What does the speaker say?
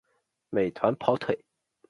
美团跑腿